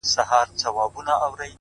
ورځه وريځي نه جــلا ســـولـه نـــن،